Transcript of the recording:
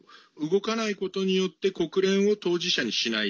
動かないことによって国連を当事者にしない。